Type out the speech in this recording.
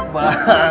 gue mau balik